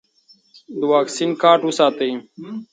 د واکسین کارت وساتئ.